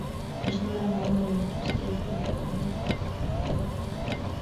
Mashamba ya mama ina tu saidia sana